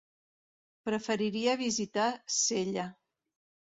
Preferiria visitar Sella.